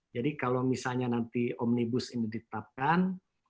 jadi kalau misalnya nanti omnibus ini ditetapkan